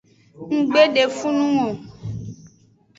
Nggbe de fun nung o.